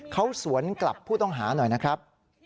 เขาสวนกลับผู้ต้องหาหน่อยนะครับ